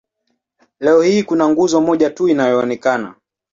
Leo hii kuna nguzo moja tu inayoonekana.